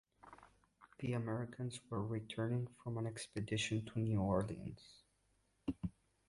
The Americans were returning from an expedition to New Orleans.